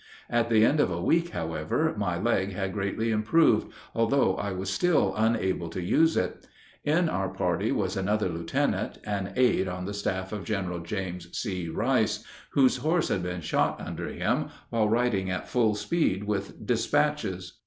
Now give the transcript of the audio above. At the end of a week, however, my leg had greatly improved, although I was still unable to use it. In our party was another lieutenant, an aide on the staff of General James C. Rice, whose horse had been shot under him while riding at full speed with despatches.